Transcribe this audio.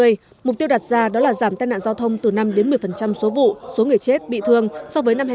trong năm hai nghìn hai mươi mục tiêu đặt ra đó là giảm tai nạn giao thông từ năm đến một mươi số vụ số người chết bị thương so với năm hai nghìn một mươi chín